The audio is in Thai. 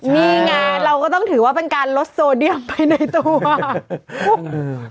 นี่ไงเราก็ต้องถือว่าเป็นการลดโซเดียมไปในตัวอืม